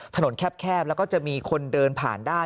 แคบแล้วก็จะมีคนเดินผ่านได้